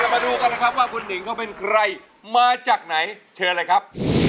เรามาดูกันแล้วครับถึงว่าคุณนิ่งก็เป็นใครมาจากไหนเชิญเลยครับ